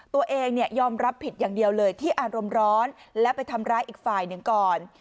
ตัวเองยอมรับผิดอย่างเดียวเลยที่อารมณ์ร้อนและไปทำร้ายอีกฝ่ายหนึ่งก่อน